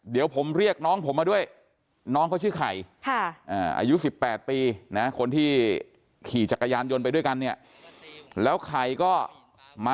เดี๋ยวผมเรียกน้องผมมาด้วยน้องเขาชื่อไข่ค่ะ